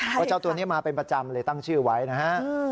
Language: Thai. เพราะเจ้าตัวนี้มาเป็นประจำเลยตั้งชื่อไว้นะฮะ